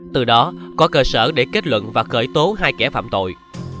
từ đó có cơ sở để kết luận và khởi tố hai kẻ phạm tội